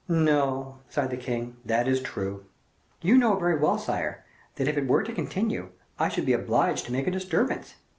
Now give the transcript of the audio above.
"No!" sighed the king, "that is true." "You know very well, sire, that if it were to continue, I should be obliged to make a disturbance.